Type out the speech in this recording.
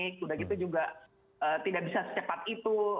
sudah gitu juga tidak bisa secepat itu